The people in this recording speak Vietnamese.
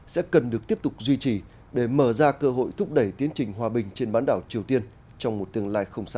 sẽ cần được tiếp tục duy trì để mở ra cơ hội thúc đẩy tiến trình hòa bình trên bán đảo triều tiên trong một tương lai không xa